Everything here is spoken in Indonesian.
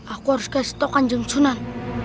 aku harus kasih stok kanjeng sunan